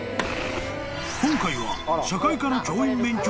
［今回は］